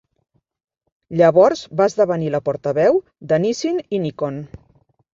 Llavors va esdevenir la portaveu de Nissin i Nikon.